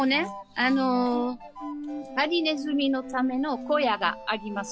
あのハリネズミのための小屋があります。